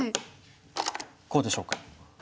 こうでしょうか。